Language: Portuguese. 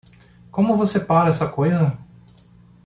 Como você para essa coisa?